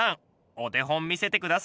お手本見せて下さい。